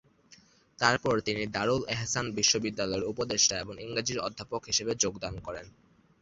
তারপর তিনি দারুল এহসান বিশ্ববিদ্যালয়ের উপদেষ্টা এবং ইংরেজির অধ্যাপক হিসেবে যোগদান করেন।